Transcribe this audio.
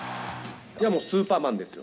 いやもうスーパーマンですよ。